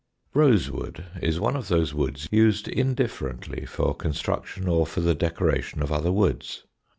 Rosewood is one of those woods used indifferently for construction or for the decoration of other woods.